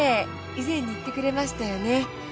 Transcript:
以前に言ってくれましたよね。